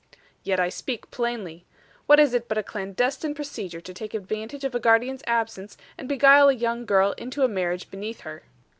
"Yet I speak plainly. What is it but a clandestine procedure to take advantage of a guardian's absence and beguile a young girl into a marriage beneath her?"